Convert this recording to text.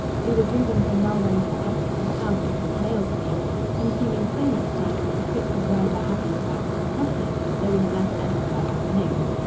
We were driven from Melrose to Abbottsford House at a snail's pace, consuming so much time that a trip to Dryburgh Abbey was out of the question, though we had left Edinburgh about noon.